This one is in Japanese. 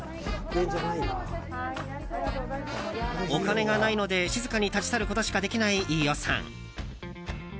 お金がないので静かに立ち去ることしかできない飯尾さん。